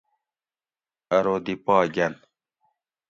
ارو دی پا گۤن